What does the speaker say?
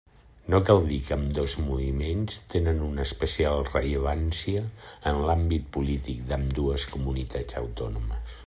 No cal dir que ambdós moviments tenen una especial rellevància en l'àmbit polític d'ambdues comunitats autònomes.